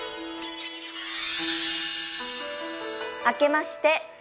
明けまして。